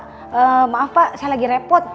aduh pak maaf pak saya lagi repot